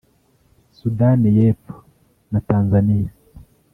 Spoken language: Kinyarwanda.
Sudani y’epfo na Tanzania